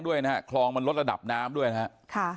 ด้วยช่วงพักลงของรถระดับน้ำบ่อยด้วยครับ